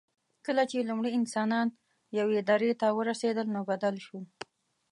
کله چې لومړي انسانان یوې درې ته ورسېدل، نو بدل شو.